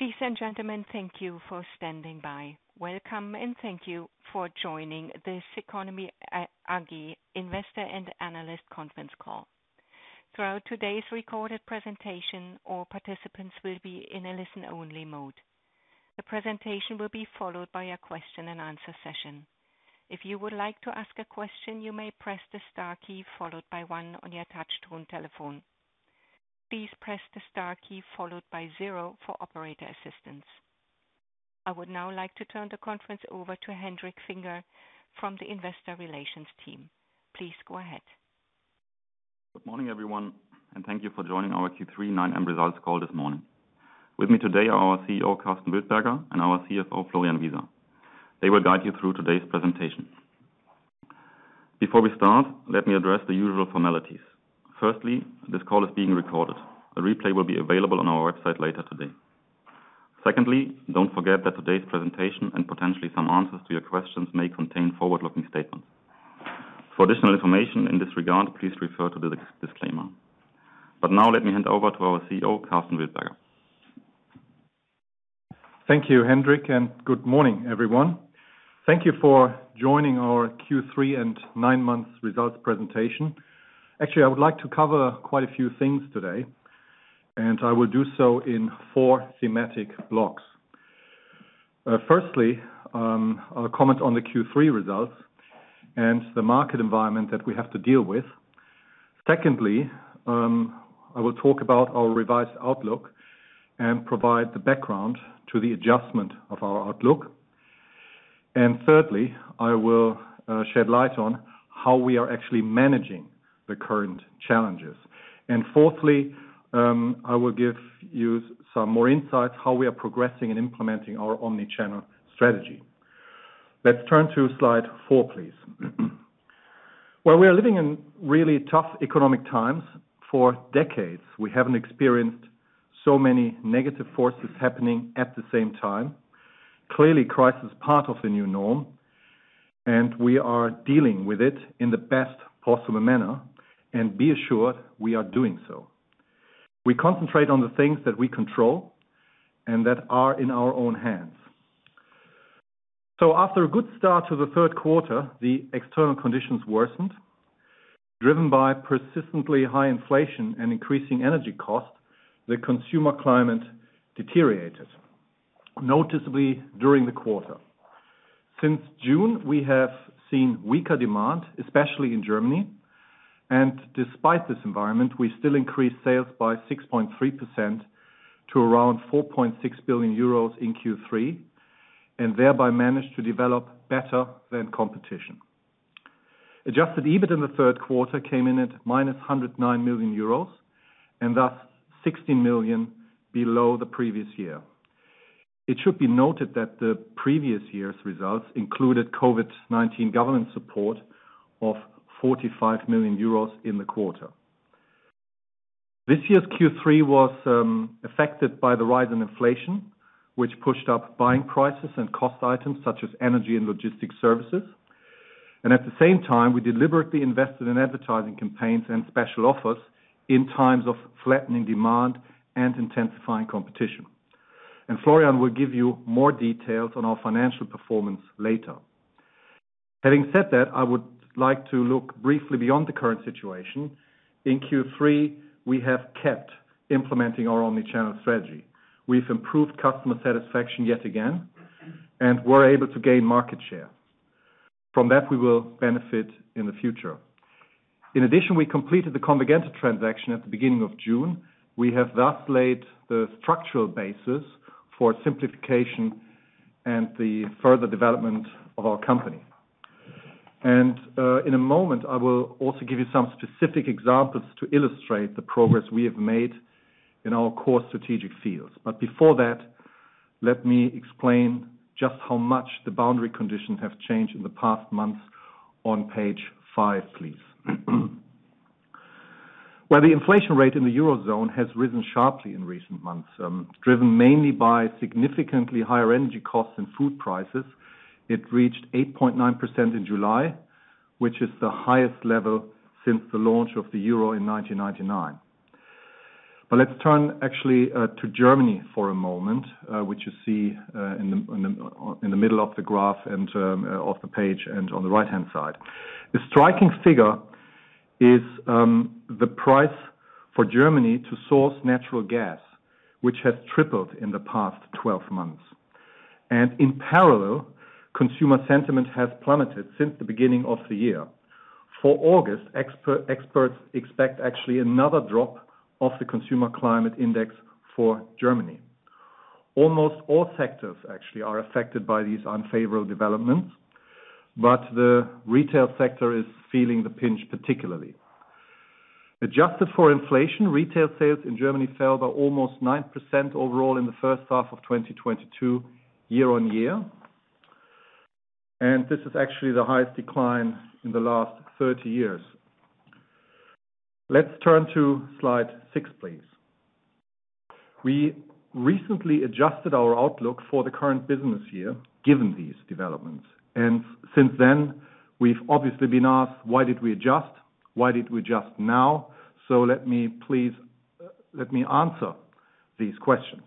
Ladies and gentlemen, thank you for standing by. Welcome and thank you for joining this Ceconomy AG Investor and Analyst Conference Call. Throughout today's recorded presentation, all participants will be in a listen-only mode. The presentation will be followed by a question-and-answer session. If you would like to ask a question, you may press the star key followed by one on your touchtone telephone. Please press the star key followed by zero for operator assistance. I would now like to turn the conference over to Hendrik Finger from the Investor Relations team. Please go ahead. Good morning, everyone, and thank you for joining our Q3/9M Results Call this morning. With me today are our CEO, Karsten Wildberger, and our CFO, Florian Wieser. They will guide you through today's presentation. Before we start, let me address the usual formalities. Firstly, this call is being recorded. A replay will be available on our website later today. Secondly, don't forget that today's presentation and potentially some answers to your questions may contain forward-looking statements. For additional information in this regard, please refer to the disclaimer. Now let me hand over to our CEO, Karsten Wildberger. Thank you, Hendrik, and good morning, everyone. Thank you for joining our Q3 and nine months results presentation. Actually, I would like to cover quite a few things today, and I will do so in four thematic blocks. Firstly, I'll comment on the Q3 results and the market environment that we have to deal with. Secondly, I will talk about our revised outlook and provide the background to the adjustment of our outlook. Thirdly, I will shed light on how we are actually managing the current challenges. Fourthly, I will give you some more insights how we are progressing in implementing our omni-channel strategy. Let's turn to slide four, please. Well, we are living in really tough economic times. For decades, we haven't experienced so many negative forces happening at the same time. Clearly, crisis is part of the new norm, and we are dealing with it in the best possible manner. Be assured we are doing so. We concentrate on the things that we control and that are in our own hands. After a good start to the third quarter, the external conditions worsened. Driven by persistently high inflation and increasing energy costs, the consumer climate deteriorated noticeably during the quarter. Since June, we have seen weaker demand, especially in Germany. Despite this environment, we still increased sales by 6.3% to around 4.6 billion euros in Q3, and thereby managed to develop better than competition. Adjusted EBIT in the third quarter came in at -109 million euros, and thus 60 million below the previous year. It should be noted that the previous year's results included COVID-19 government support of 45 million euros in the quarter. This year's Q3 was affected by the rise in inflation, which pushed up buying prices and cost items such as energy and logistics services. At the same time, we deliberately invested in advertising campaigns and special offers in times of flattening demand and intensifying competition. Florian will give you more details on our financial performance later. Having said that, I would like to look briefly beyond the current situation. In Q3, we have kept implementing our omni-channel strategy. We've improved customer satisfaction yet again and were able to gain market share. From that, we will benefit in the future. In addition, we completed the Convergenta transaction at the beginning of June. We have thus laid the structural basis for simplification and the further development of our company. In a moment, I will also give you some specific examples to illustrate the progress we have made in our core strategic fields. Before that, let me explain just how much the boundary conditions have changed in the past months on page five, please. Well, the inflation rate in the Eurozone has risen sharply in recent months, driven mainly by significantly higher energy costs and food prices. It reached 8.9% in July, which is the highest level since the launch of the euro in 1999. Let's turn actually to Germany for a moment, which you see in the middle of the graph and of the page and on the right-hand side. The striking figure is the price for Germany to source natural gas, which has tripled in the past 12 months. In parallel, consumer sentiment has plummeted since the beginning of the year. For August, experts expect actually another drop of the consumer climate index for Germany. Almost all sectors actually are affected by these unfavorable developments, but the retail sector is feeling the pinch, particularly. Adjusted for inflation, retail sales in Germany fell by almost 9% overall in the first half of 2022 year-on-year, and this is actually the highest decline in the last 30 years. Let's turn to slide six, please. We recently adjusted our outlook for the current business year given these developments. Since then, we've obviously been asked, why did we adjust? Why did we adjust now? Let me please, let me answer these questions.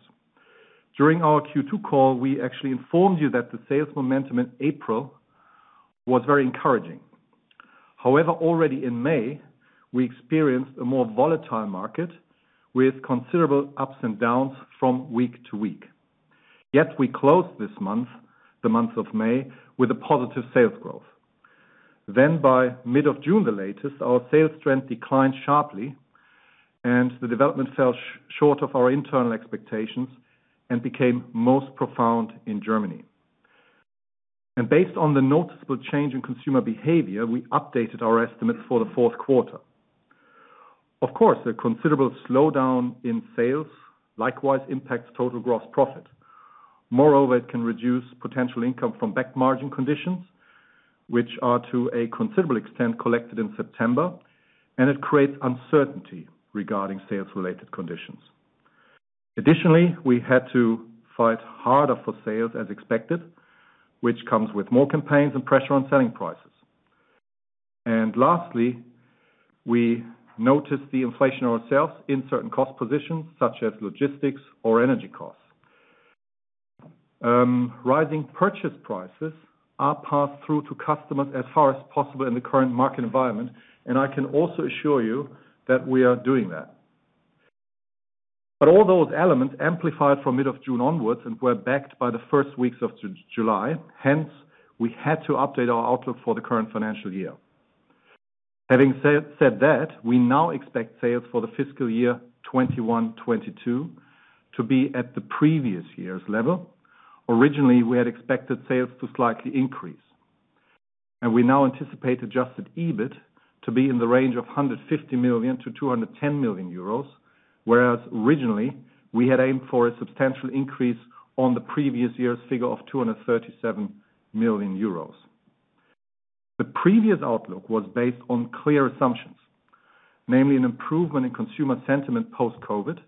During our Q2 call, we actually informed you that the sales momentum in April was very encouraging. However, already in May, we experienced a more volatile market with considerable ups and downs from week to week. Yet we closed this month, the month of May, with a positive sales growth. By mid of June at the latest, our sales trend declined sharply and the development fell short of our internal expectations and became most profound in Germany. Based on the noticeable change in consumer behavior, we updated our estimates for the fourth quarter. Of course, a considerable slowdown in sales likewise impacts total gross profit. Moreover, it can reduce potential income from back margin conditions, which are to a considerable extent collected in September, and it creates uncertainty regarding sales-related conditions. Additionally, we had to fight harder for sales as expected, which comes with more campaigns and pressure on selling prices. Lastly, we noticed the inflation ourselves in certain cost positions such as logistics or energy costs. Rising purchase prices are passed through to customers as far as possible in the current market environment, and I can also assure you that we are doing that. But all those elements amplified from mid of June onwards and were backed by the first weeks of July. Hence, we had to update our outlook for the current financial year. Having said that, we now expect sales for the fiscal year 2021-2022 to be at the previous year's level. Originally, we had expected sales to slightly increase. We now anticipate adjusted EBIT to be in the range of 150 million-210 million euros, whereas originally, we had aimed for a substantial increase on the previous year's figure of 237 million euros. The previous outlook was based on clear assumptions, namely an improvement in consumer sentiment post-COVID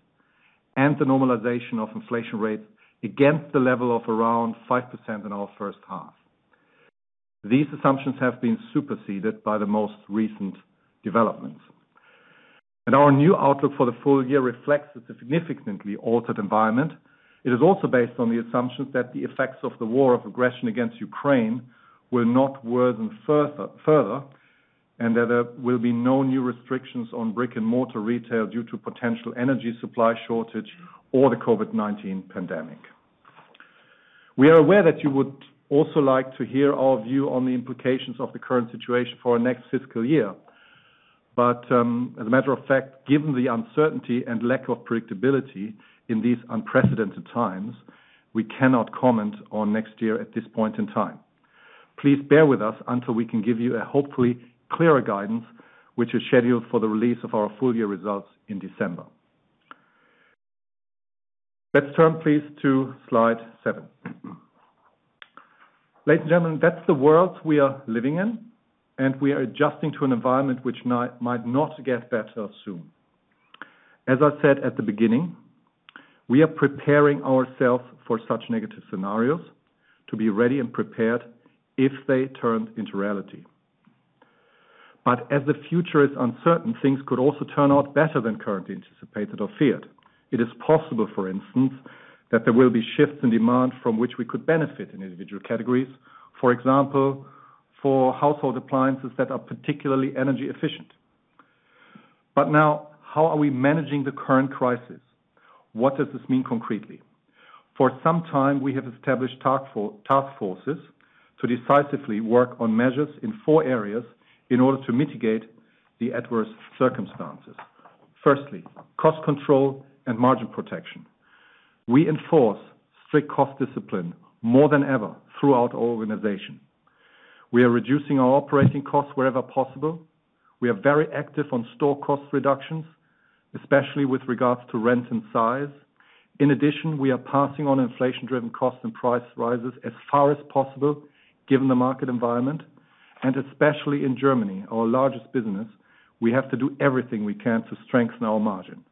and the normalization of inflation rates against the level of around 5% in our first half. These assumptions have been superseded by the most recent developments. Our new outlook for the full year reflects the significantly altered environment. It is also based on the assumptions that the effects of the war of aggression against Ukraine will not worsen further, and that there will be no new restrictions on brick-and-mortar retail due to potential energy supply shortage or the COVID-19 pandemic. We are aware that you would also like to hear our view on the implications of the current situation for our next fiscal year. As a matter of fact, given the uncertainty and lack of predictability in these unprecedented times, we cannot comment on next year at this point in time. Please bear with us until we can give you a hopefully clearer guidance, which is scheduled for the release of our full-year results in December. Let's turn, please, to slide seven. Ladies and gentlemen, that's the world we are living in, and we are adjusting to an environment which might not get better soon. As I said at the beginning, we are preparing ourselves for such negative scenarios to be ready and prepared if they turned into reality. As the future is uncertain, things could also turn out better than currently anticipated or feared. It is possible, for instance, that there will be shifts in demand from which we could benefit in individual categories. For example, for household appliances that are particularly energy efficient. Now, how are we managing the current crisis? What does this mean concretely? For some time, we have established task forces to decisively work on measures in four areas in order to mitigate the adverse circumstances. Firstly, cost control and margin protection. We enforce strict cost discipline more than ever throughout our organization. We are reducing our operating costs wherever possible. We are very active on store cost reductions, especially with regards to rent and size. In addition, we are passing on inflation-driven costs and price rises as far as possible, given the market environment, and especially in Germany, our largest business, we have to do everything we can to strengthen our margin.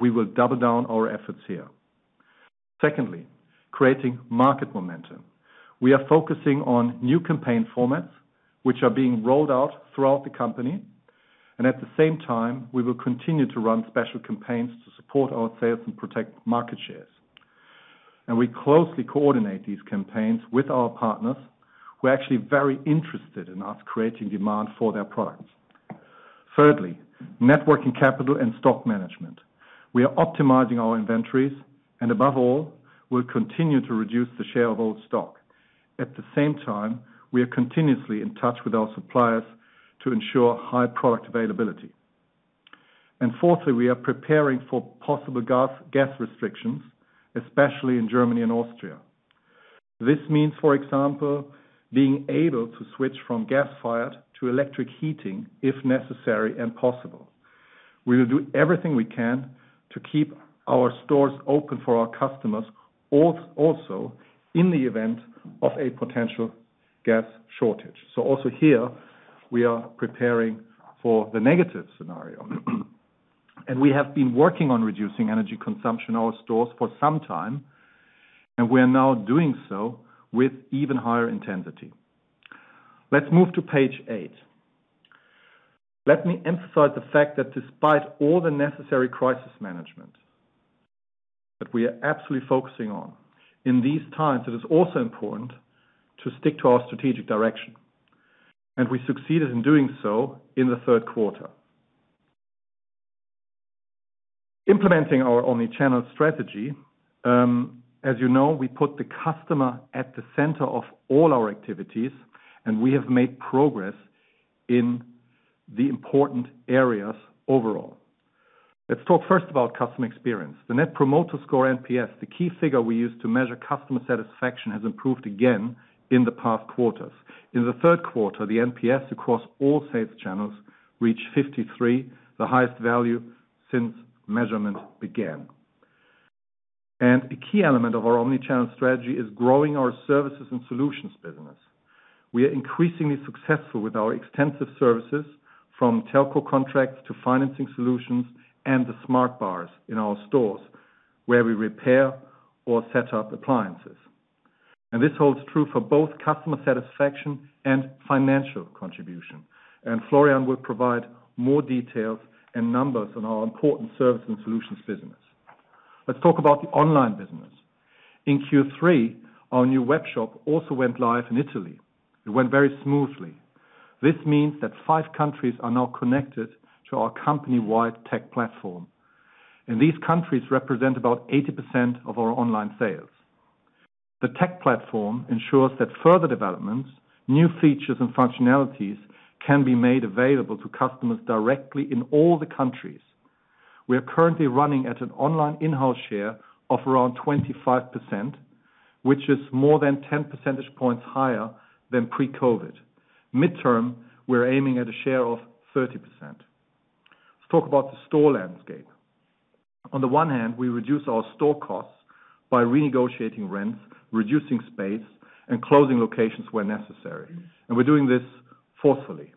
We will double down our efforts here. Secondly, creating market momentum. We are focusing on new campaign formats, which are being rolled out throughout the company. At the same time, we will continue to run special campaigns to support our sales and protect market shares. We closely coordinate these campaigns with our partners, who are actually very interested in us creating demand for their products. Thirdly, working capital and stock management. We are optimizing our inventories, and above all, we'll continue to reduce the share of old stock. At the same time, we are continuously in touch with our suppliers to ensure high product availability. Fourthly, we are preparing for possible gas restrictions, especially in Germany and Austria. This means, for example, being able to switch from gas-fired to electric heating, if necessary and possible. We will do everything we can to keep our stores open for our customers also in the event of a potential gas shortage. Also here, we are preparing for the negative scenario. We have been working on reducing energy consumption in our stores for some time, and we are now doing so with even higher intensity. Let's move to page eight. Let me emphasize the fact that despite all the necessary crisis management that we are absolutely focusing on, in these times, it is also important to stick to our strategic direction. We succeeded in doing so in the third quarter. Implementing our omni-channel strategy, as you know, we put the customer at the center of all our activities, and we have made progress in the important areas overall. Let's talk first about customer experience. The Net Promoter Score, NPS, the key figure we use to measure customer satisfaction, has improved again in the past quarters. In the third quarter, the NPS across all sales channels reached 53, the highest value since measurement began. A key element of our omni-channel strategy is growing our services and solutions business. We are increasingly successful with our extensive services, from telco contracts to financing solutions and the SmartBars in our stores, where we repair or set up appliances. This holds true for both customer satisfaction and financial contribution. Florian will provide more details and numbers on our important service and solutions business. Let's talk about the online business. In Q3, our new webshop also went live in Italy. It went very smoothly. This means that five countries are now connected to our company-wide tech platform. These countries represent about 80% of our online sales. The tech platform ensures that further developments, new features, and functionalities can be made available to customers directly in all the countries. We are currently running at an online in-house share of around 25%, which is more than 10 percentage points higher than pre-COVID. Midterm, we're aiming at a share of 30%. Let's talk about the store landscape. On the one hand, we reduce our store costs by renegotiating rents, reducing space, and closing locations where necessary. We're doing this forcefully.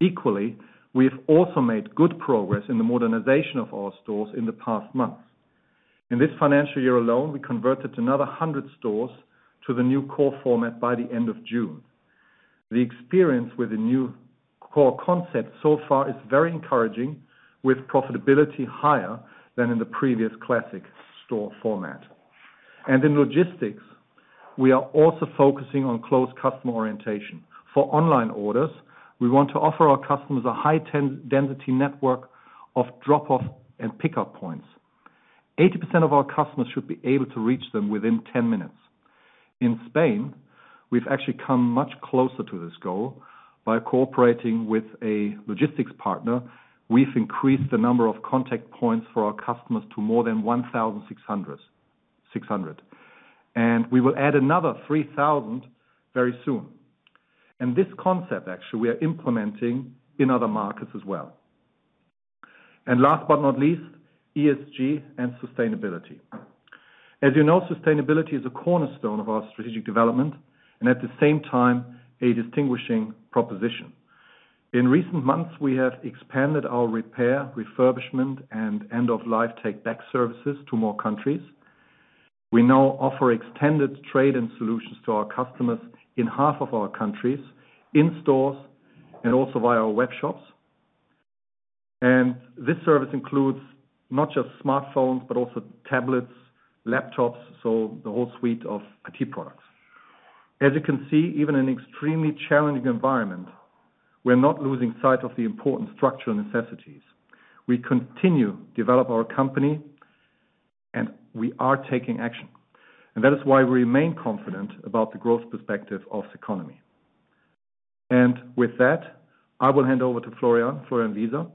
Equally, we've also made good progress in the modernization of our stores in the past months. In this financial year alone, we converted another 100 stores to the new core format by the end of June. The experience with the new core concept so far is very encouraging, with profitability higher than in the previous classic store format. In logistics, we are also focusing on close customer orientation. For online orders, we want to offer our customers a high-density network of drop-off and pickup points. 80% of our customers should be able to reach them within 10 minutes. In Spain, we've actually come much closer to this goal by cooperating with a logistics partner. We've increased the number of contact points for our customers to more than 1,600. We will add another 3,000 very soon. This concept, actually, we are implementing in other markets as well. Last but not least, ESG and sustainability. As you know, sustainability is a cornerstone of our strategic development and at the same time, a distinguishing proposition. In recent months, we have expanded our repair, refurbishment, and end of life take-back services to more countries. We now offer extended trade-in solutions to our customers in half of our countries, in stores and also via our webshops. This service includes not just smartphones, but also tablets, laptops, so the whole suite of IT products. As you can see, even in an extremely challenging environment, we're not losing sight of the important structural necessities. We continue to develop our company and we are taking action. That is why we remain confident about the growth perspective of Ceconomy. With that, I will hand over to Florian Wieser,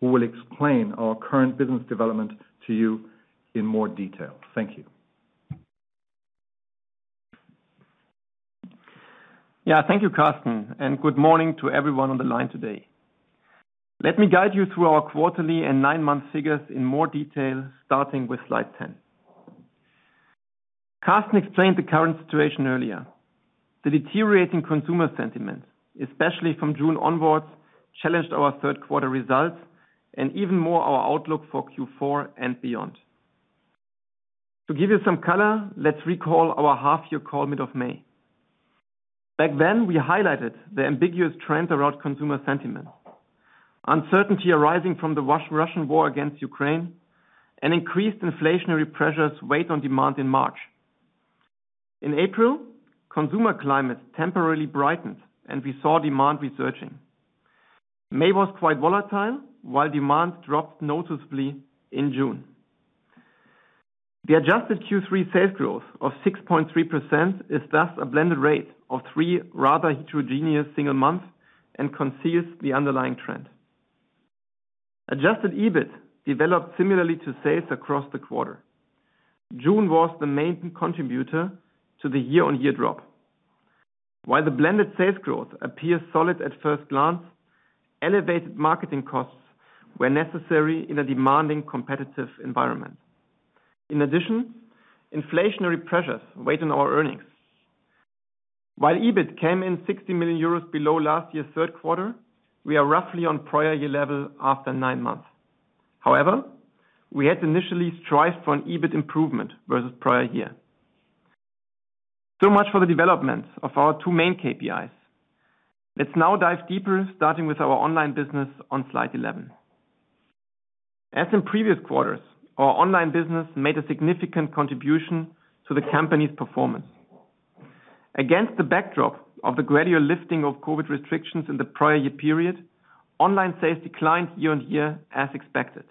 who will explain our current business development to you in more detail. Thank you. Yeah. Thank you, Karsten. Good morning to everyone on the line today. Let me guide you through our quarterly and nine-month figures in more detail, starting with slide 10. Karsten explained the current situation earlier. The deteriorating consumer sentiment, especially from June onwards, challenged our third quarter results and even more our outlook for Q4 and beyond. To give you some color, let's recall our half-year call, mid-May. Back then, we highlighted the ambiguous trend around consumer sentiment. Uncertainty arising from the Russian war against Ukraine and increased inflationary pressures weighed on demand in March. In April, consumer climate temporarily brightened and we saw demand resurging. May was quite volatile while demand dropped noticeably in June. The adjusted Q3 sales growth of 6.3% is thus a blended rate of three rather heterogeneous single months and conceals the underlying trend. Adjusted EBIT developed similarly to sales across the quarter. June was the main contributor to the year-on-year drop. While the blended sales growth appears solid at first glance, elevated marketing costs were necessary in a demanding competitive environment. In addition, inflationary pressures weighed on our earnings. While EBIT came in 60 million euros below last year's third quarter, we are roughly on prior year level after nine months. However, we had initially strived for an EBIT improvement vs prior year. So much for the development of our two main KPIs. Let's now dive deeper, starting with our online business on slide 11. As in previous quarters, our online business made a significant contribution to the company's performance. Against the backdrop of the gradual lifting of COVID restrictions in the prior year period, online sales declined year-on-year as expected.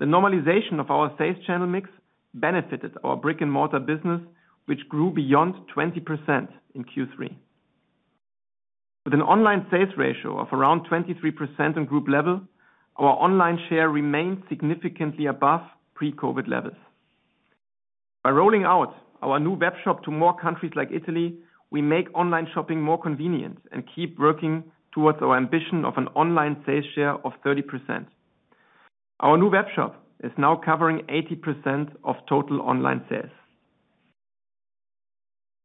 The normalization of our sales channel mix benefited our brick-and-mortar business, which grew beyond 20% in Q3. With an online sales ratio of around 23% in group level, our online share remains significantly above pre-COVID levels. By rolling out our new webshop to more countries like Italy, we make online shopping more convenient and keep working towards our ambition of an online sales share of 30%. Our new webshop is now covering 80% of total online sales.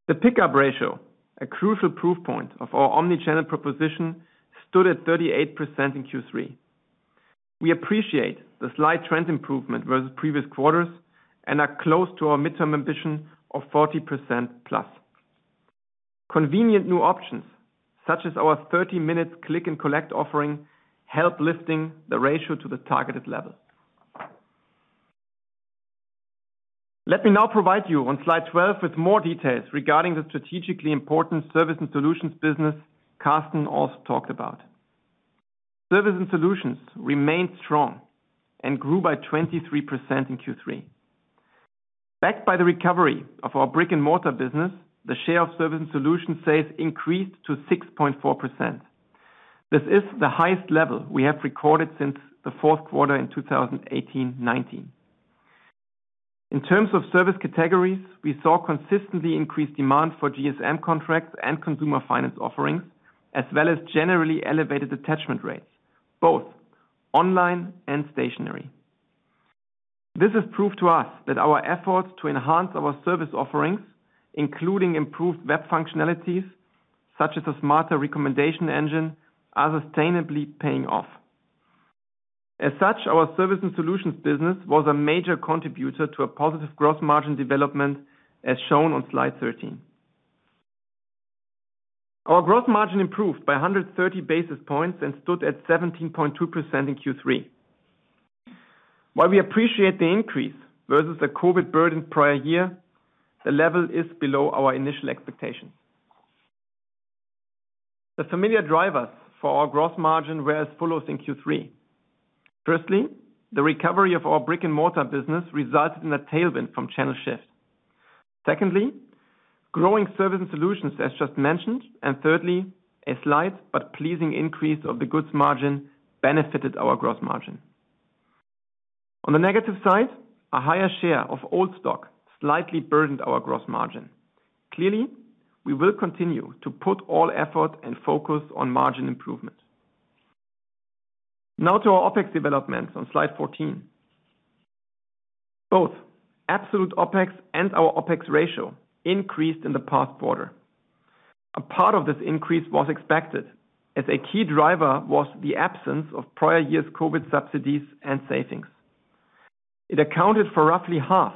The pickup ratio, a crucial proof point of our omni-channel proposition, stood at 38% in Q3. We appreciate the slight trend improvement vs previous quarters and are close to our midterm ambition of 40%+. Convenient new options, such as our 30 minutes click and collect offering, help lifting the ratio to the targeted level. Let me now provide you on slide 12 with more details regarding the strategically important service and solutions business Karsten also talked about. Service and solutions remained strong and grew by 23% in Q3. Backed by the recovery of our brick-and-mortar business, the share of service and solution sales increased to 6.4%. This is the highest level we have recorded since the fourth quarter in 2018-19. In terms of service categories, we saw consistently increased demand for GSM contracts and consumer finance offerings, as well as generally elevated attachment rates, both online and stationary. This has proved to us that our efforts to enhance our service offerings, including improved web functionalities such as a smarter recommendation engine, are sustainably paying off. As such, our service and solutions business was a major contributor to a positive gross margin development as shown on slide 13. Our gross margin improved by 130 basis points and stood at 17.2% in Q3. While we appreciate the increase vs the COVID burden prior year, the level is below our initial expectations. The familiar drivers for our gross margin were as follows in Q3. Firstly, the recovery of our brick-and-mortar business resulted in a tailwind from channel shift. Secondly, growing service and solutions, as just mentioned. Thirdly, a slight but pleasing increase of the goods margin benefited our gross margin. On the negative side, a higher share of old stock slightly burdened our gross margin. Clearly, we will continue to put all effort and focus on margin improvement. Now to our OpEx developments on slide 14. Both absolute OpEx and our OpEx ratio increased in the past quarter. A part of this increase was expected as a key driver was the absence of prior year's COVID subsidies and savings. It accounted for roughly half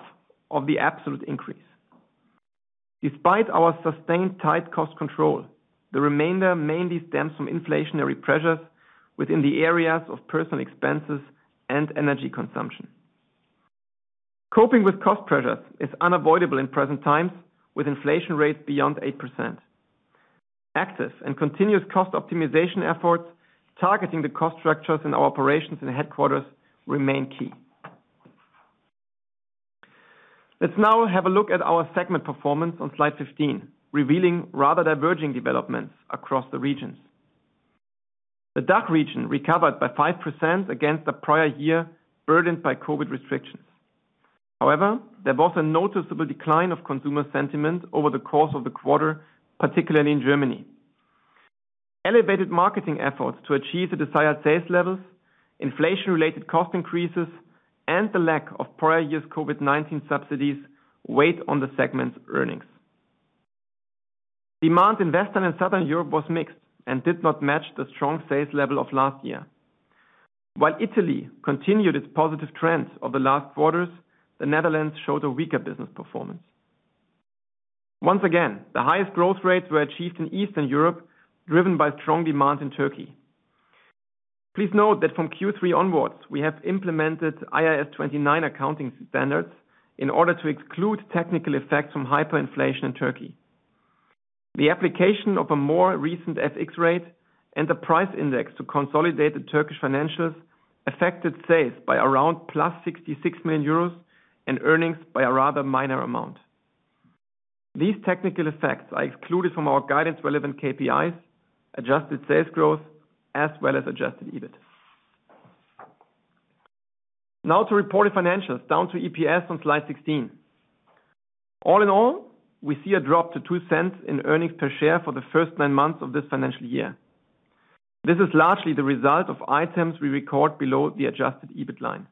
of the absolute increase. Despite our sustained tight cost control, the remainder mainly stems from inflationary pressures within the areas of personal expenses and energy consumption. Coping with cost pressures is unavoidable in present times with inflation rates beyond 8%. Ongoing and continuous cost optimization efforts targeting the cost structures in our operations and headquarters remain key. Let's now have a look at our segment performance on slide 15, revealing rather diverging developments across the regions. The DACH region recovered by 5% against the prior year, burdened by COVID restrictions. However, there was a noticeable decline of consumer sentiment over the course of the quarter, particularly in Germany. Elevated marketing efforts to achieve the desired sales levels, inflation-related cost increases, and the lack of prior year's COVID-19 subsidies weighed on the segment's earnings. Demand in Western and Southern Europe was mixed and did not match the strong sales level of last year. While Italy continued its positive trends over the last quarters, the Netherlands showed a weaker business performance. Once again, the highest growth rates were achieved in Eastern Europe, driven by strong demand in Turkey. Please note that from Q3 onwards, we have implemented IAS 29 accounting standards in order to exclude technical effects from hyperinflation in Turkey. The application of a more recent FX rate and the price index to consolidate the Turkish financials affected sales by around +66 million euros and earnings by a rather minor amount. These technical effects are excluded from our guidance-relevant KPIs, adjusted sales growth, as well as adjusted EBIT. Now to reported financials down to EPS on slide 16. All in all, we see a drop to 0.02 in earnings per share for the first 9 months of this financial year. This is largely the result of items we record below the adjusted EBIT line.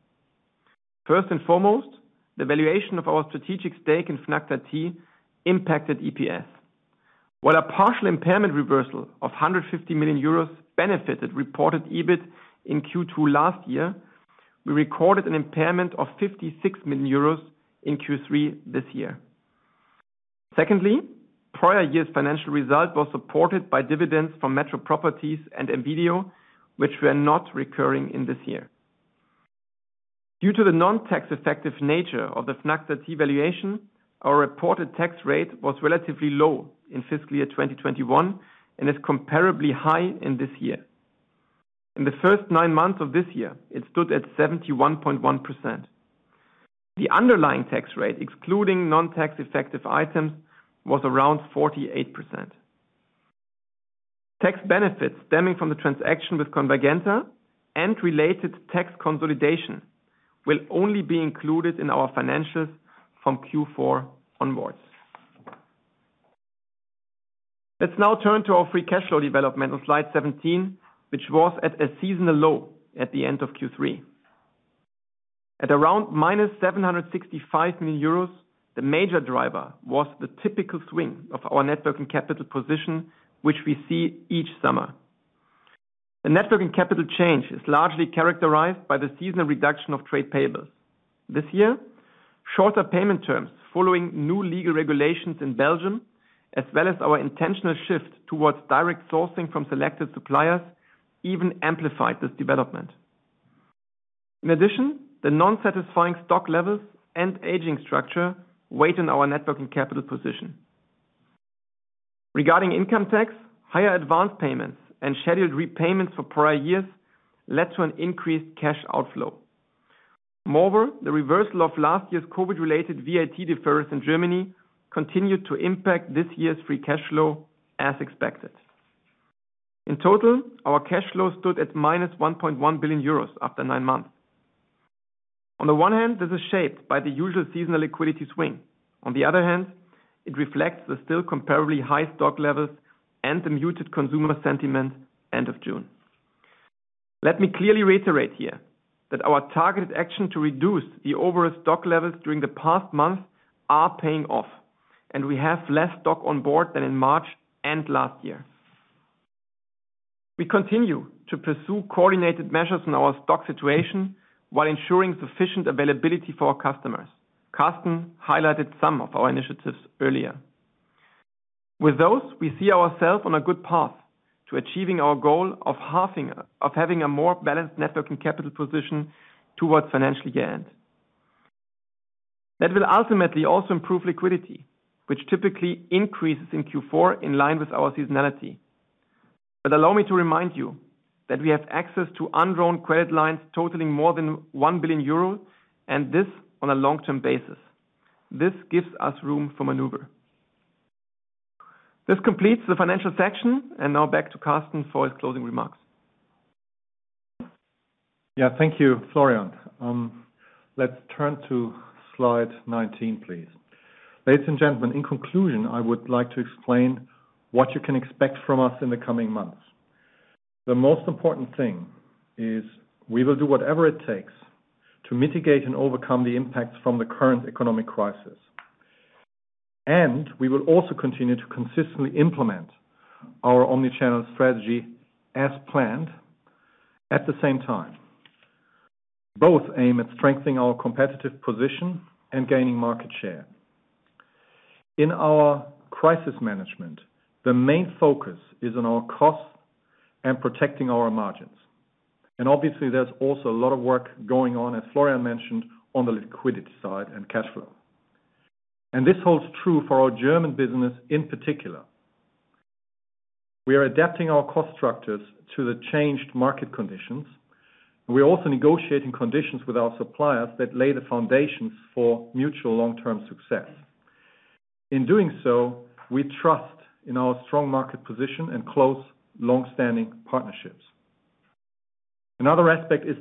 First and foremost, the valuation of our strategic stake in Fnac Darty impacted EPS. While a partial impairment reversal of 150 million euros benefited reported EBIT in Q2 last year, we recorded an impairment of 56 million euros in Q3 this year. Secondly, prior year's financial result was supported by dividends from Metro Properties and M.video, which were not recurring in this year. Due to the non-tax effective nature of the Fnac Darty valuation, our reported tax rate was relatively low in fiscal year 2021, and is comparably high in this year. In the first 9 months of this year, it stood at 71.1%. The underlying tax rate, excluding non-tax effective items, was around 48%. Tax benefits stemming from the transaction with Convergenta and related tax consolidation will only be included in our financials from Q4 onwards. Let's now turn to our free cash flow development on slide 17, which was at a seasonal low at the end of Q3. At around -765 million euros, the major driver was the typical swing of our net working capital position, which we see each summer. The net working capital change is largely characterized by the seasonal reduction of trade payables. This year, shorter payment terms following new legal regulations in Belgium, as well as our intentional shift towards direct sourcing from selected suppliers, even amplified this development. In addition, the non-satisfying stock levels and aging structure weighed on our net working capital position. Regarding income tax, higher advance payments and scheduled repayments for prior years led to an increased cash outflow. Moreover, the reversal of last year's COVID-related VAT deferment in Germany continued to impact this year's free cash flow as expected. In total, our cash flow stood at -1.1 billion euros after nine months. On the one hand, this is shaped by the usual seasonal liquidity swing. On the other hand, it reflects the still comparably high stock levels and the muted consumer sentiment end of June. Let me clearly reiterate here that our targeted action to reduce the overall stock levels during the past month are paying off, and we have less stock on board than in March and last year. We continue to pursue coordinated measures in our stock situation while ensuring sufficient availability for our customers. Karsten highlighted some of our initiatives earlier. With those, we see ourselves on a good path to achieving our goal of having a more balanced net working capital position towards financial year-end. That will ultimately also improve liquidity, which typically increases in Q4 in line with our seasonality. Allow me to remind you that we have access to undrawn credit lines totaling more than 1 billion euros, and this on a long-term basis. This gives us room for maneuver. This completes the financial section, and now back to Karsten for his closing remarks. Yeah, thank you, Florian. Let's turn to slide 19, please. Ladies and gentlemen, in conclusion, I would like to explain what you can expect from us in the coming months. The most important thing is we will do whatever it takes to mitigate and overcome the impacts from the current economic crisis. We will also continue to consistently implement our omni-channel strategy as planned at the same time. Both aim at strengthening our competitive position and gaining market share. In our crisis management, the main focus is on our costs and protecting our margins. Obviously, there's also a lot of work going on, as Florian mentioned, on the liquidity side and cash flow. This holds true for our German business in particular. We are adapting our cost structures to the changed market conditions. We are also negotiating conditions with our suppliers that lay the foundations for mutual long-term success. In doing so, we trust in our strong market position and close long-standing partnerships. Another aspect is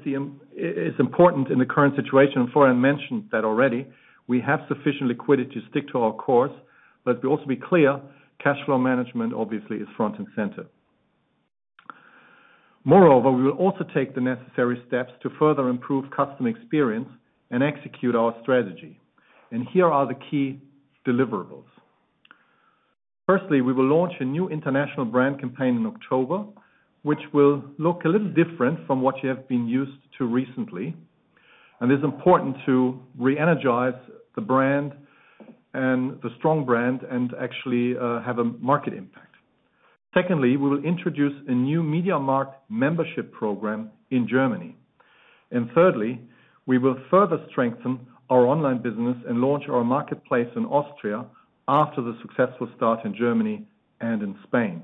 important in the current situation. Florian mentioned that already. We have sufficient liquidity to stick to our course, but to also be clear, cash flow management obviously is front and center. Moreover, we will also take the necessary steps to further improve customer experience and execute our strategy. Here are the key deliverables. Firstly, we will launch a new international brand campaign in October, which will look a little different from what you have been used to recently. It's important to re-energize the brand, and the strong brand and actually have a market impact. Secondly, we will introduce a new MediaMarkt membership program in Germany. Thirdly, we will further strengthen our online business and launch our marketplace in Austria after the successful start in Germany and in Spain.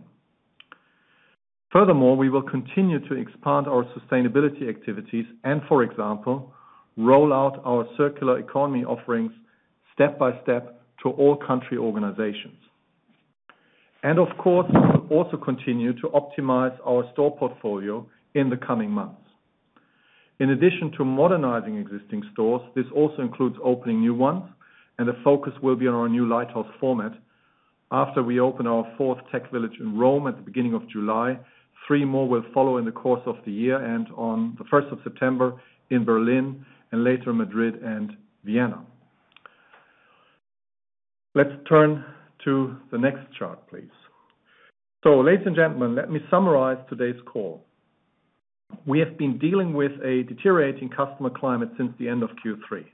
Furthermore, we will continue to expand our sustainability activities and for example, roll out our circular economy offerings step by step to all country organizations. Of course, also continue to optimize our store portfolio in the coming months. In addition to modernizing existing stores, this also includes opening new ones, and the focus will be on our new lighthouse format. After we open our fourth Tech Village in Rome at the beginning of July, three more will follow in the course of the year, and on the first of September in Berlin, and later Madrid and Vienna. Let's turn to the next chart, please. Ladies and gentlemen, let me summarize today's call. We have been dealing with a deteriorating customer climate since the end of Q3.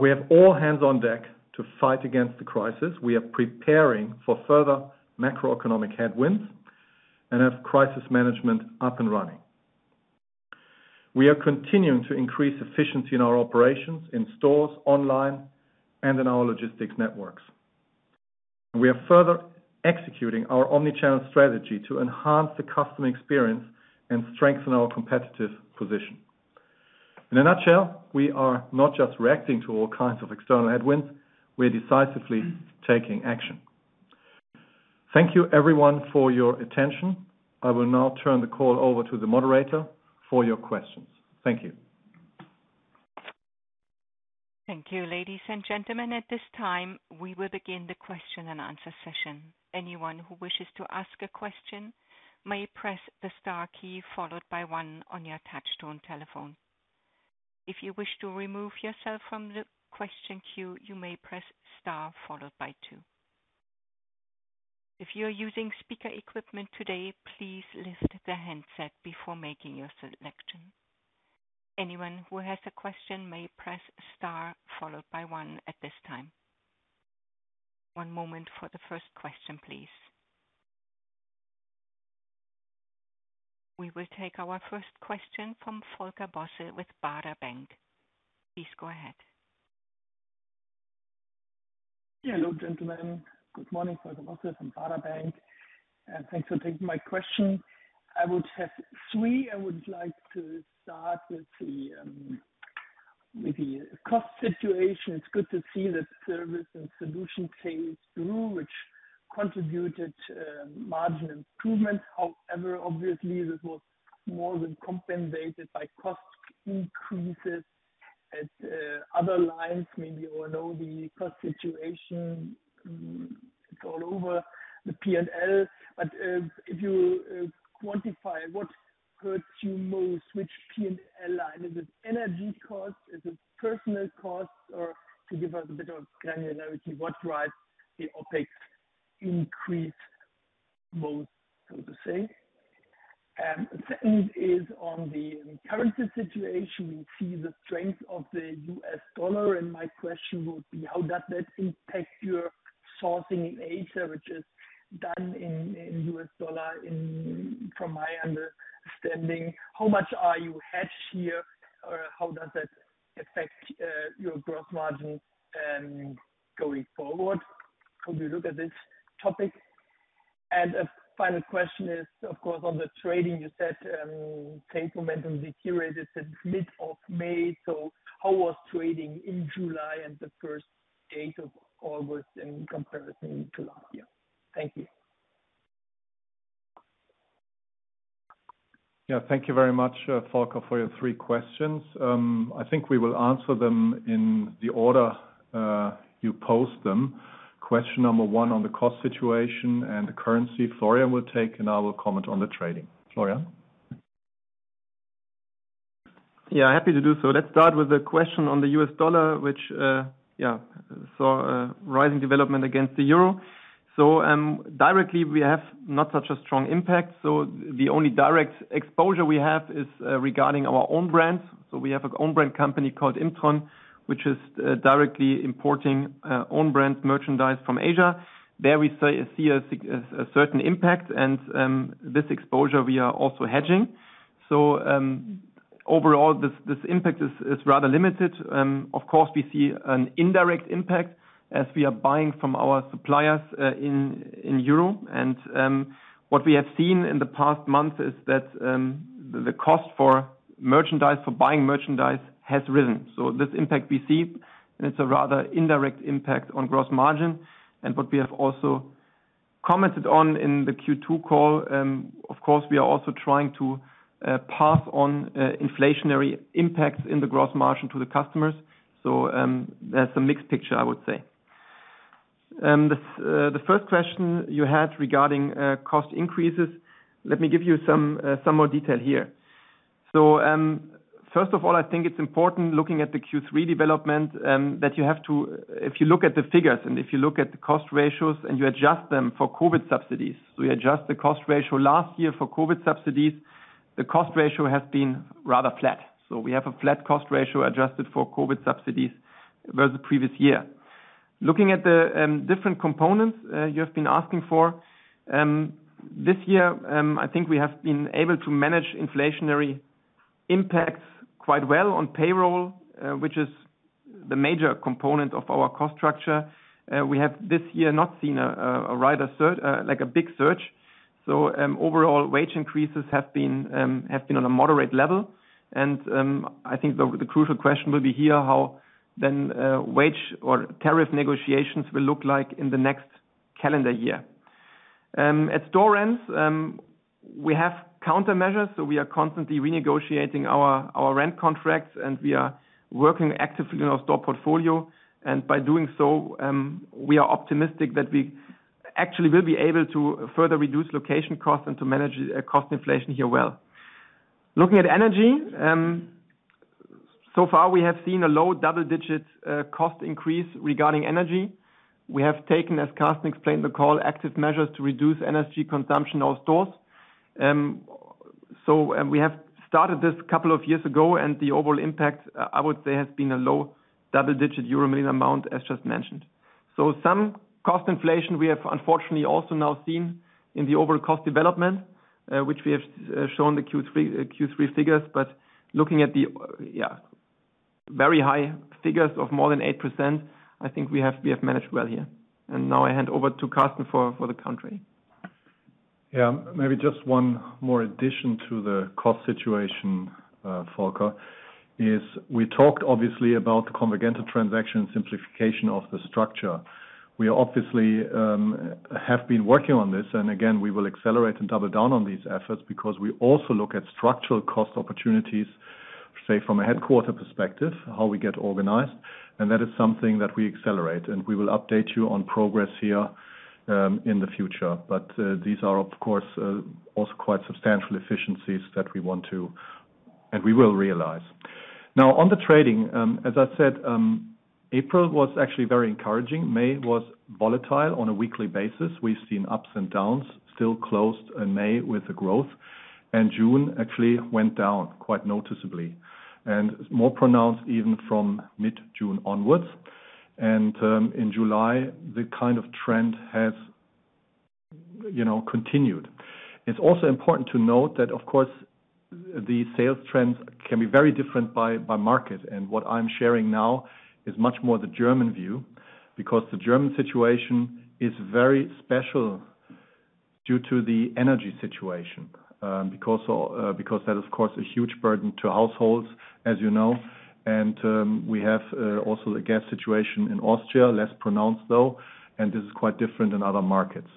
We have all hands on deck to fight against the crisis. We are preparing for further macroeconomic headwinds and have crisis management up and running. We are continuing to increase efficiency in our operations, in stores, online, and in our logistics networks. We are further executing our omni-channel strategy to enhance the customer experience and strengthen our competitive position. In a nutshell, we are not just reacting to all kinds of external headwinds, we're decisively taking action. Thank you everyone for your attention. I will now turn the call over to the moderator for your questions. Thank you. Thank you. Ladies and gentlemen, at this time, we will begin the question and answer session. Anyone who wishes to ask a question may press the star key followed by one on your touchtone telephone. If you wish to remove yourself from the question queue, you may press star followed by two. If you're using speaker equipment today, please lift the handset before making your selection. Anyone who has a question may press star followed by one at this time. One moment for the first question, please. We will take our first question from Volker Bosse with Baader Bank. Please go ahead. Hello, gentlemen. Good morning, Volker Bosse from Baader Bank. Thanks for taking my question. I would have three. I would like to start with the cost situation. It's good to see that services and solutions came through, which contributed to margin improvement. However, obviously, this was more than compensated by cost increases at other lines. Maybe you all know the cost situation all over the P&L. If you quantify what hurts you most, which P&L line? Is it energy costs? Is it personnel costs? Or to give us a bit of granularity, what drives the OpEx increase most, so to say? Second is on the currency situation. We see the strength of the U.S. dollar, and my question would be, how does that impact your sourcing in Asia, which is done in US dollar from my understanding. How much are you hedged here? Or how does that affect your gross margin going forward? How do you look at this topic? A final question is, of course, on the trading. You said sales momentum deteriorated since mid of May. How was trading in July and the first eight of August in comparison to last year? Thank you. Yeah, thank you very much, Volker, for your three questions. I think we will answer them in the order you posed them. Question number one on the cost situation and the currency, Florian will take, and I will comment on the trading. Florian? Yeah, happy to do so. Let's start with the question on the U.S. dollar, which saw a rising development against the euro. Directly, we have not such a strong impact. The only direct exposure we have is regarding our own brand. We have an own brand company called Imtron, which is directly importing own brand merchandise from Asia. There we see a certain impact and this exposure we are also hedging. Overall, this impact is rather limited. Of course, we see an indirect impact as we are buying from our suppliers in euro. What we have seen in the past month is that the cost for merchandise, for buying merchandise has risen. This impact we see, and it's a rather indirect impact on gross margin. What we have also commented on in the Q2 call, of course, we are also trying to pass on inflationary impacts in the gross margin to the customers. That's a mixed picture, I would say. The first question you had regarding cost increases, let me give you some more detail here. First of all, I think it's important looking at the Q3 development, if you look at the figures and if you look at the cost ratios and you adjust them for COVID-19 subsidies. We adjust the cost ratio last year for COVID-19 subsidies, the cost ratio has been rather flat. We have a flat cost ratio adjusted for COVID-19 subsidies vs the previous year. Looking at the different components you have been asking for this year, I think we have been able to manage inflationary impacts quite well on payroll, which is the major component of our cost structure. We have this year not seen a rise like a big surge. Overall wage increases have been on a moderate level. I think the crucial question will be here, how then wage or tariff negotiations will look like in the next calendar year. At store rents, we have countermeasures, so we are constantly renegotiating our rent contracts, and we are working actively on our store portfolio. By doing so, we are optimistic that we actually will be able to further reduce location costs and to manage cost inflation here well. Looking at energy, so far we have seen a low double-digit cost increase regarding energy. We have taken, as Karsten explained on the call, active measures to reduce energy consumption of stores. We have started this a couple of years ago, and the overall impact, I would say, has been a low double-digit euro million amount, as just mentioned. Some cost inflation we have unfortunately also now seen in the overall cost development, which we have shown in the Q3 figures. Looking at the very high figures of more than 8%, I think we have managed well here. Now I hand over to Karsten for the country. Yeah. Maybe just one more addition to the cost situation, Volker, is we talked obviously about the Convergenta transaction simplification of the structure. We obviously have been working on this. Again, we will accelerate and double down on these efforts because we also look at structural cost opportunities, say from a headquarter perspective, how we get organized. That is something that we accelerate, and we will update you on progress here in the future. These are of course also quite substantial efficiencies that we want to, and we will realize. Now on the trading, as I said, April was actually very encouraging. May was volatile on a weekly basis. We've seen ups and downs, still closed in May with the growth. June actually went down quite noticeably and more pronounced even from mid-June onwards. In July, the kind of trend has, you know, continued. It's also important to note that of course, the sales trends can be very different by market. What I'm sharing now is much more the German view, because the German situation is very special due to the energy situation, because that is of course a huge burden to households, as you know. We have also the gas situation in Austria, less pronounced though, and this is quite different in other markets.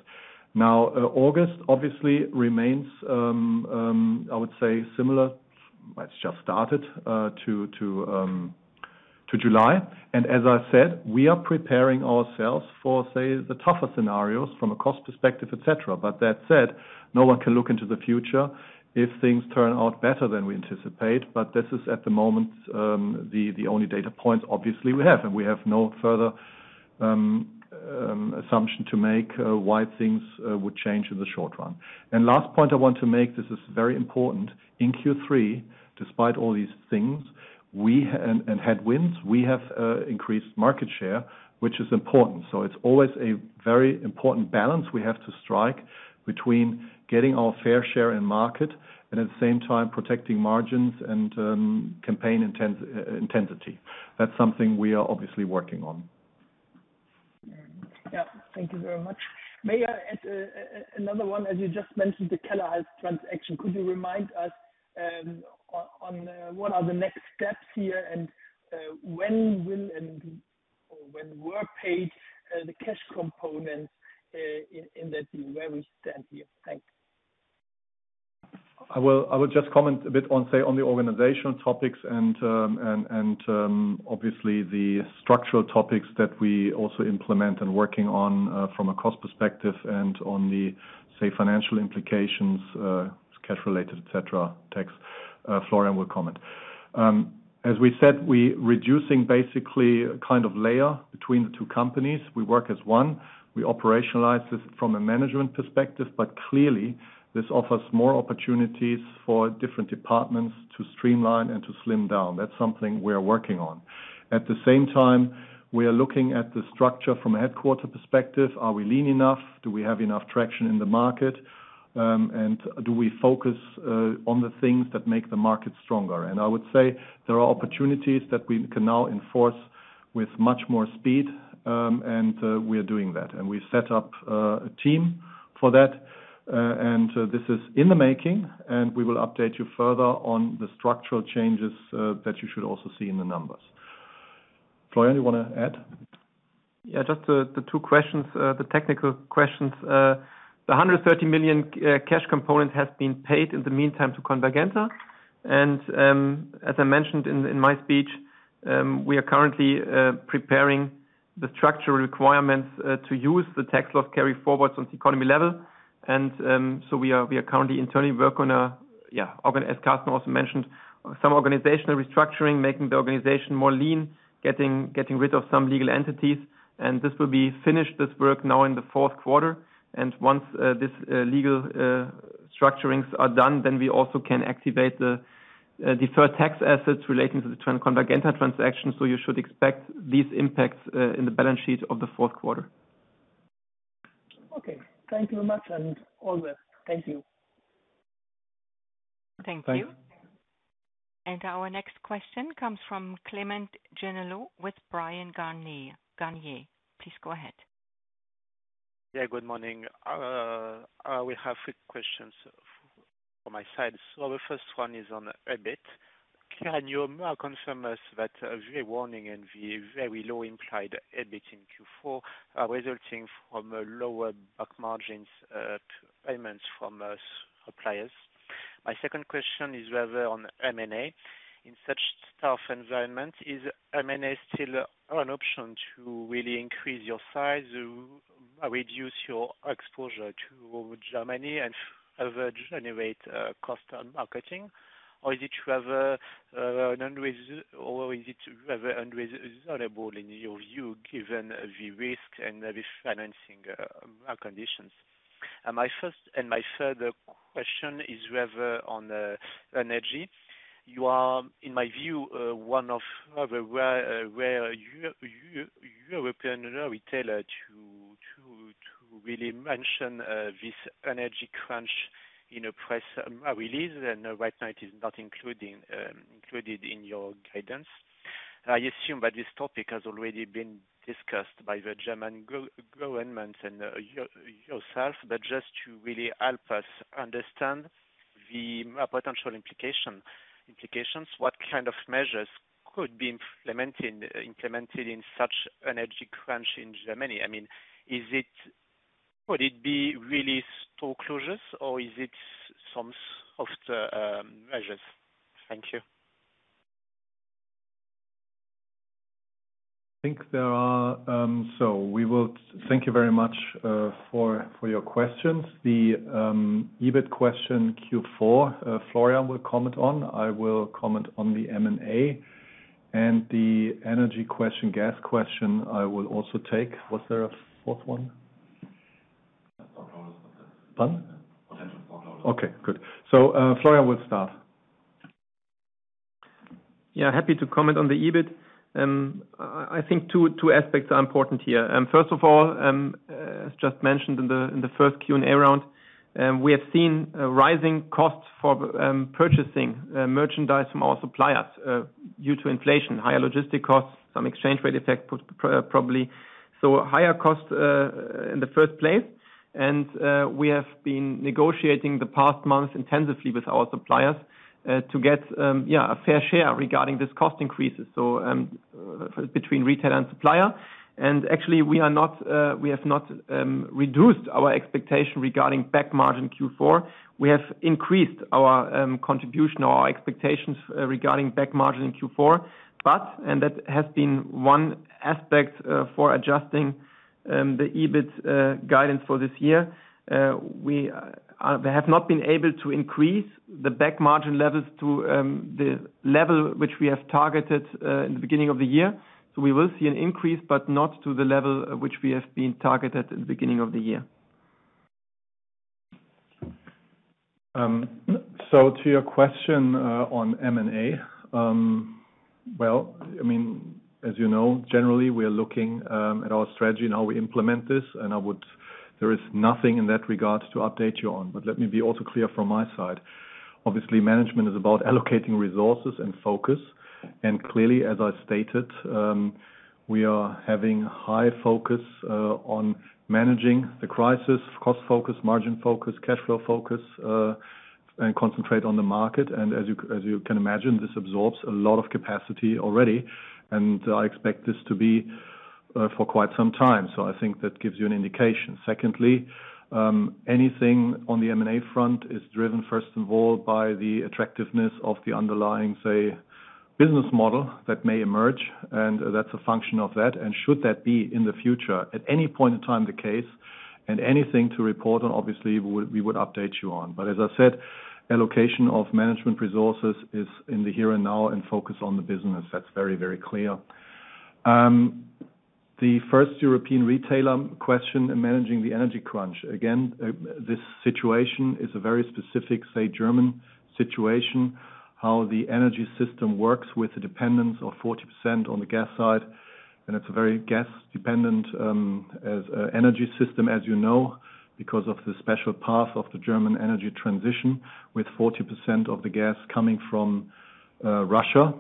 Now, August obviously remains, I would say similar. It's just similar to July. As I said, we are preparing ourselves for, say, the tougher scenarios from a cost perspective, et cetera. That said, no one can look into the future if things turn out better than we anticipate. This is at the moment the only data point obviously we have, and we have no further assumption to make why things would change in the short run. Last point I want to make, this is very important. In Q3, despite all these things and headwinds, we have increased market share, which is important. It's always a very important balance we have to strike between getting our fair share in market and at the same time protecting margins and campaign intensity. That's something we are obviously working on. Yeah. Thank you very much. May I add another one, as you just mentioned, the Kellerhals transaction. Could you remind us on what are the next steps here and when, or when we're paid the cash components in that where we stand here? Thanks. I will just comment a bit on, say, on the organizational topics and obviously the structural topics that we also implement and working on from a cost perspective and on the, say, financial implications, cash related, et cetera, tax. Florian Wieser will comment. As we said, we reducing basically kind of layer between the two companies. We work as one. We operationalize this from a management perspective, but clearly this offers more opportunities for different departments to streamline and to slim down. That's something we are working on. At the same time, we are looking at the structure from a headquarters perspective. Are we lean enough? Do we have enough traction in the market? Do we focus on the things that make the market stronger? I would say there are opportunities that we can now enforce with much more speed, and we are doing that. We set up a team for that. This is in the making, and we will update you further on the structural changes that you should also see in the numbers. Florian, you wanna add? Yeah, just the two questions, the technical questions. The 130 million cash component has been paid in the meantime to Convergenta. As I mentioned in my speech, we are currently preparing the structural requirements to use the tax loss carry forwards on Ceconomy level. We are currently internally working on organizational restructuring. As Karsten also mentioned, some organizational restructuring, making the organization more lean, getting rid of some legal entities. This will be finished, this work now in the fourth quarter. Once this legal structurings are done, then we also can activate the deferred tax assets relating to the Convergenta transaction. You should expect these impacts in the balance sheet of the fourth quarter. Okay. Thank you very much and all the best. Thank you. Thank you. Thank you. Our next question comes from Clement Genelot with Bryan Garnier. Please go ahead. Yeah, good morning. I will have three questions on my side. The first one is on EBIT. Can you confirm to us that the warning and the very low implied EBIT in Q4 are resulting from lower back margins, payments from us suppliers. My second question is whether on M&A in such tough environment, is M&A still an option to really increase your size or reduce your exposure to Germany and to generate cost in marketing? Or is it rather unreasonable in your view, given the risk and the refinancing conditions? My further question is whether on energy. You are, in my view, one of rather rare European retailer to really mention this energy crunch in a press release, and right now it is not included in your guidance. I assume that this topic has already been discussed by the German government and yourself, but just to really help us understand the potential implications, what kind of measures could be implemented in such energy crunch in Germany? I mean, would it be really store closures, or is it some softer measures? Thank you. I think there are. We will thank you very much for your questions. The EBIT question Q4, Florian will comment on. I will comment on the M&A. The energy question, gas question, I will also take. Was there a fourth one? Potential store closures. Pardon? Potential store closures. Okay, good. Florian will start. Yeah, happy to comment on the EBIT. I think two aspects are important here. First of all, as just mentioned in the first Q&A round, we have seen rising costs for purchasing merchandise from our suppliers due to inflation, higher logistic costs, some exchange rate effect, probably. Higher costs in the first place. We have been negotiating the past months intensively with our suppliers to get yeah, a fair share regarding this cost increases. Between retailer and supplier. Actually, we have not reduced our expectation regarding back margin Q4. We have increased our contribution or our expectations regarding back margin in Q4. That has been one aspect for adjusting the EBIT guidance for this year. We have not been able to increase the back margin levels to the level which we have targeted in the beginning of the year. We will see an increase, but not to the level which we have been targeted at the beginning of the year. To your question on M&A, well, I mean, as you know, generally, we are looking at our strategy and how we implement this. There is nothing in that regard to update you on. Let me be also clear from my side. Obviously, management is about allocating resources and focus. Clearly, as I stated, we are having high focus on managing the crisis, cost focus, margin focus, cash flow focus, and concentrate on the market. As you can imagine, this absorbs a lot of capacity already, and I expect this to be for quite some time. I think that gives you an indication. Secondly, anything on the M&A front is driven first and foremost by the attractiveness of the underlying, say, business model that may emerge, and that's a function of that. Should that be in the future at any point in time the case and anything to report on, obviously, we would update you on. As I said, allocation of management resources is in the here and now and focus on the business. That's very, very clear. The first European retailer question in managing the energy crunch. Again, this situation is a very specific, say, German situation, how the energy system works with the dependence of 40% on the gas side. It's a very gas-dependent energy system, as you know, because of the special path of the German energy transition, with 40% of the gas coming from Russia.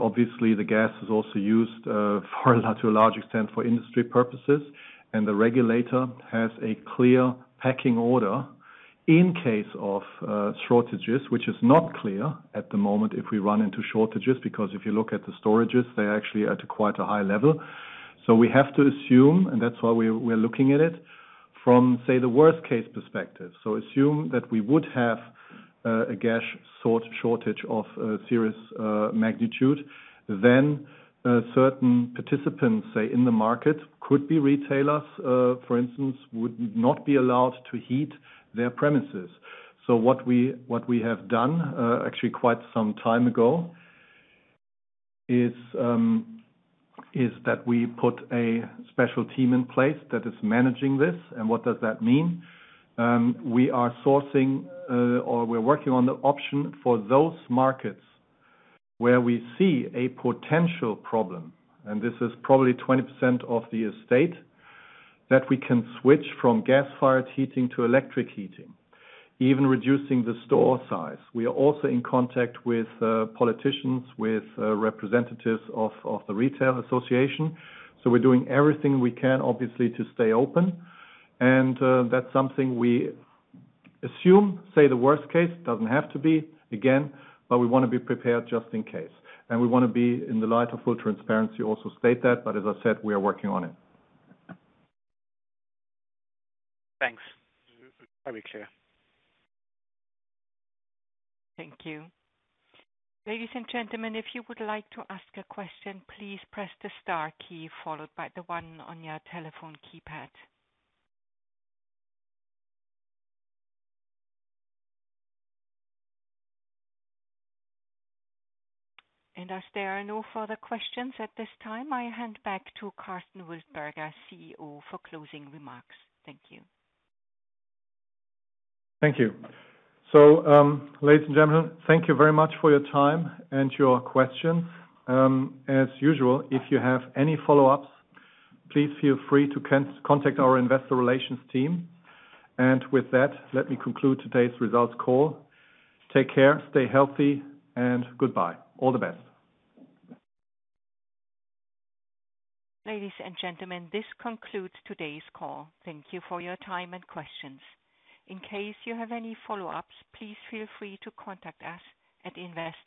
Obviously the gas is also used to a large extent for industry purposes. The regulator has a clear pecking order in case of shortages, which is not clear at the moment if we run into shortages. Because if you look at the storages, they're actually at quite a high level. We have to assume, and that's why we're looking at it from, say, the worst-case perspective. Assume that we would have a gas shortage of serious magnitude. Certain participants, say, in the market, could be retailers, for instance, would not be allowed to heat their premises. What we have done actually quite some time ago is that we put a special team in place that is managing this. What does that mean? We are sourcing, or we're working on the option for those markets where we see a potential problem, and this is probably 20% of the estate, that we can switch from gas-fired heating to electric heating, even reducing the store size. We are also in contact with politicians, with representatives of the retail association. We're doing everything we can, obviously, to stay open. That's something we assume, say, the worst case. Doesn't have to be, again, but we wanna be prepared just in case. We wanna be in the light of full transparency, also state that, but as I said, we are working on it. Thanks. Very clear. Thank you. Ladies and gentlemen, if you would like to ask a question, please press the star key followed by the one on your telephone keypad. As there are no further questions at this time, I hand back to Karsten Wildberger, CEO, for closing remarks. Thank you. Thank you. Ladies and gentlemen, thank you very much for your time and your questions. As usual, if you have any follow-ups, please feel free to contact our investor relations team. With that, let me conclude today's results call. Take care, stay healthy, and goodbye. All the best. Ladies and gentlemen, this concludes today's call. Thank you for your time and questions. In case you have any follow-ups, please feel free to contact us at investor-